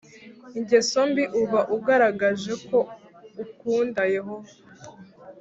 ingeso mbi uba ugaragaje ko ukunda Yehova